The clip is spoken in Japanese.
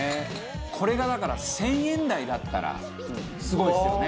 これがだから１０００円台だったらすごいですよね。